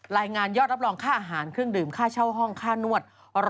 ยอดรับรองค่าอาหารเครื่องดื่มค่าเช่าห้องค่านวด